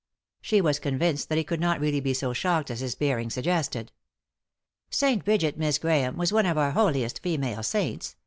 She was convinced that he could not really be so shocked as his bearing suggested. " St. Brigit, Miss Grahame, was one of our holiest female saints.